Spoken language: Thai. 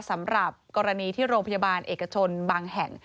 สำหรับกรณีที่โรงพยาบาลเอกชนบางแห่ง